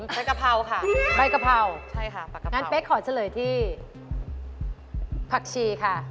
ใบกะเพราค่ะใช่ค่ะใบกะเพรางั้นเป๊กขอเฉลยที่ผักชีค่ะ